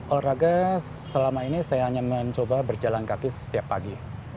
olahraga selama ini saya hanya mencoba berjalan kaki setiap pagi